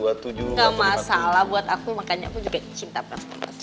gak masalah buat aku makanya aku juga cinta transportasi